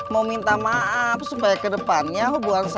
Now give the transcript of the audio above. mau minta maaf supaya kedepannya hubungan saya